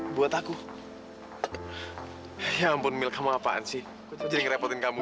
hai buat aku ya ampun mil kamu apaan sih jadi ngerepotin kamu